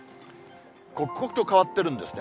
刻々と変わってるんですね。